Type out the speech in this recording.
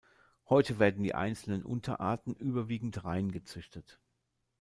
Heute werden die einzelnen Unterarten überwiegend rein gezüchtet.